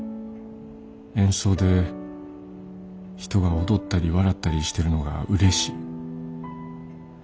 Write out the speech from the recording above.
演奏で人が踊ったり笑ったりしてるのがうれしい。